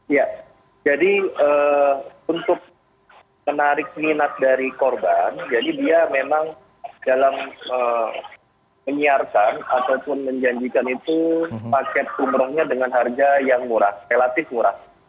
ya jadi untuk menarik minat dari korban jadi dia memang dalam menyiarkan ataupun menjanjikan itu paket umrohnya dengan harga yang murah relatif murah